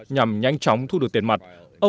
nhằm nhanh chóng thu được tiền mặt